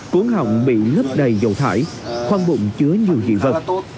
cuốn họng bị lấp đầy dầu thải khoăn bụng chứa nhiều dị vật